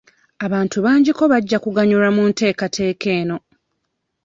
Abantu bangiko abajja kuganyulwa mu nteekateeka eno.